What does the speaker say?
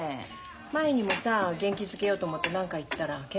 前にもさ元気づけようと思って何か言ったらけんかになったのよ。